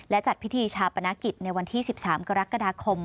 และจัดพิธีชาปนกิจในวันที่๑๓กรกฎาคม